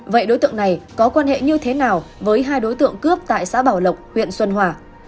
vậy đối tượng này có quan hệ như thế nào với hai đối tượng cướp tại xã bảo lộc huyện xuân hòa